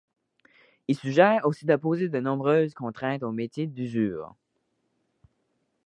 Il suggère aussi de poser de nombreuses contraintes aux métiers d’usure.